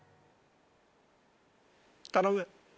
頼む。